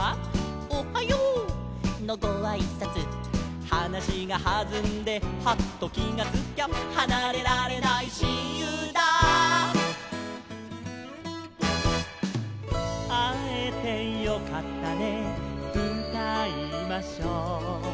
「おはよう！のごあいさつ」「はなしがはずんでハッときがつきゃ」「はなれられないしんゆうだ」「あえてよかったねうたいましょう」